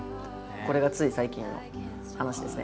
これがつい最近の話ですね。